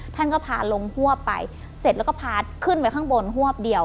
ท่านก็พาลงฮวบไปเสร็จแล้วก็พาขึ้นไปข้างบนฮวบเดียว